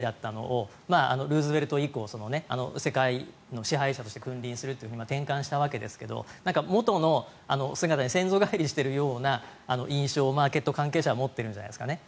元々モンロー主義といって外国のことは気にしないという主義だったのをルーズベルト以来世界の支配者として君臨すると転換したわけですが元の姿に先祖返りしているような印象を、マーケット関係者は持ってるんじゃないですかね。